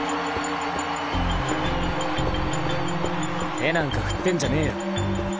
手なんか振ってんじゃねぇよ。